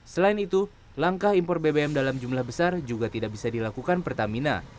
selain itu langkah impor bbm dalam jumlah besar juga tidak bisa dilakukan pertamina